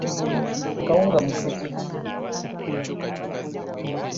Akawunga mu ssepiki.